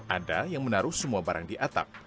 ada yang menaruh semua barang di atap